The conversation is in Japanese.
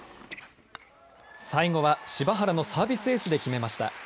最後は柴原のサービスエースで決めました。